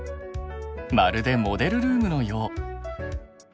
まるでモデルルームのよう！